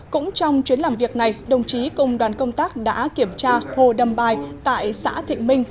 cũng trong chuyến làm việc này đồng chí cùng đoàn công tác đã kiểm tra hồ đầm bài tại xã thịnh minh